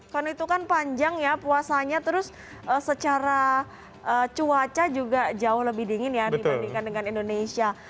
kan itu kan panjang ya puasanya terus secara cuaca juga jauh lebih dingin ya dibandingkan dengan indonesia